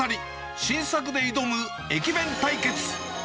新作で挑む駅弁対決。